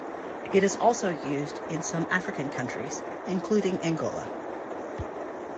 It is also used in some African countries including Angola.